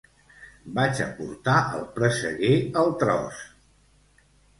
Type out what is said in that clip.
Vaig a portar el presseguer al tros